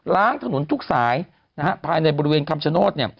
ล้างถนนทุกสายภายในบริเวณคำชโนธ